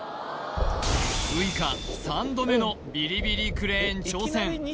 ウイカ３度目のビリビリクレーン挑戦